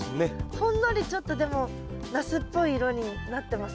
ほんのりちょっとでもナスっぽい色になってません？